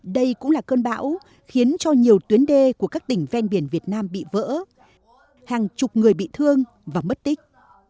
đây cũng là cơn bão khiến cho nhiều tuyến đê của các tỉnh ven biển việt nam bị vỡ hàng chục người bị thương và mất tích